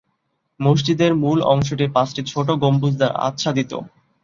মসজিদের মূল অংশটি পাঁচটি ছোট গম্বুজ দ্বারা আচ্ছাদিত।